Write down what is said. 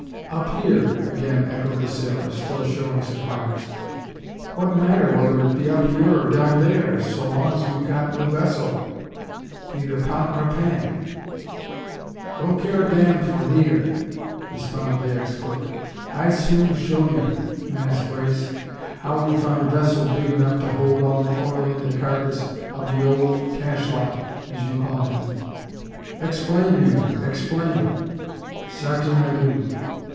"Up here!" again echoed the sailor, still showing surprise. "What matter whether it be up here or down theear, so long's we've got no vessel, neyther pot nor pan?" "Doan care a dam fo' neyder," responded the ex cook. "I'se soon show ye, Mass' Brace, how we find vessel, big 'nuff to hold all de oil in de karkiss ob de ole cashlot, as you call him." "Explain, nigger, explain!" "Sartin I do.